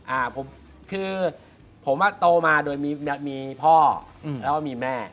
อ่าคือผมตัวมาโดยมีพ่อแล้วมีแม่